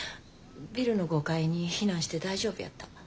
ビルの５階に避難して大丈夫やった。